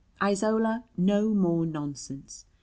"Isola, no more nonsense.